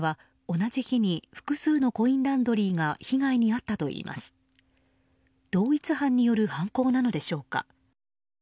同一犯による犯行なのでしょうか。